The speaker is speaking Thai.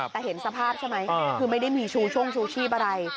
แต่เห็นสภาพใช่ไหมคือไม่ได้มีชูช่งชูชีพอะไร